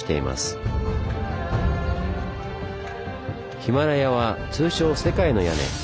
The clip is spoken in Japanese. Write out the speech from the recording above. ヒマラヤは通称「世界の屋根」。